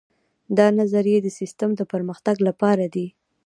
دا نظریې د سیسټم د پرمختګ لپاره دي.